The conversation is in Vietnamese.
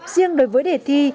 riêng đối với đề thi